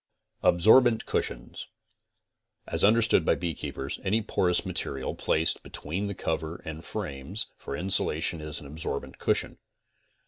ABSORBENT CUSHIONS As understood by beekeepers any porous material placed be tween the cover and frames for insulation is an absorbent cush ion.